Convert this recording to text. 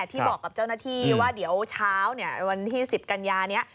ที่บอกกับเจ้าหน้าที่ว่าเดี๋ยวเช้าวันที่๑๐กันยานี้